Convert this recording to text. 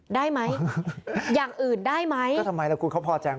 ได้ไหมอย่างอื่นได้ไหมก็ทำไมแล้วคุณเขาพอแจง